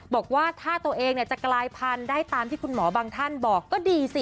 บอกว่าถ้าตัวเองจะกลายพันธุ์ได้ตามที่คุณหมอบางท่านบอกก็ดีสิ